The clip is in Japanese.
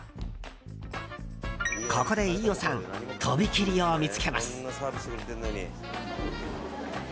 ここで飯尾さんとびきりを見つけます。